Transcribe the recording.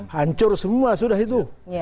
hancur semua sudah itu